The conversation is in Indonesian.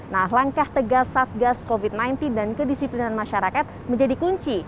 nah langkah tegas satgas covid sembilan belas dan kedisiplinan masyarakat menjadi kunci